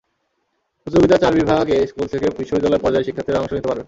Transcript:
প্রতিযোগিতার চার বিভাগে স্কুল থেকে বিশ্ববিদ্যালয় পর্যায়ের শিক্ষার্থীরা অংশ নিতে পারবেন।